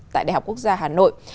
tại đại học quốc gia hà nội